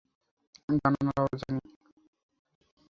ডানা নাড়াও, জনি!